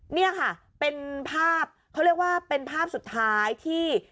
นี่ค่ะเป็นภาพเขาเรียกว่าเป็นภาพสุดท้ายที่